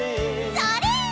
それ！